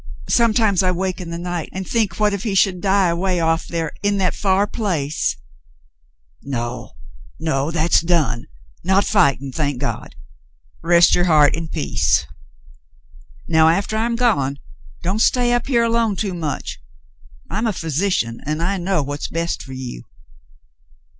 Sometimes I wake in the night and think what if he should die away off there in that far place —" "No, no. That's done. Not fighting, thank God. Rest your heart in peace. Now, after I'm gone, don't stay up here alone too much. I'm a physician, and I know what's best for you."